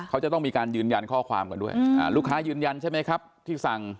เขาจะต้องมีการยืนยันข้อความกันด้วยลูกค้ายืนยันใช่ไหมครับที่สั่ง